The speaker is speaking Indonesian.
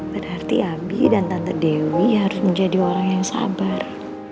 berarti abi dan tante dewi harus menjadi orang yang sabar